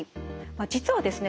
まあ実はですね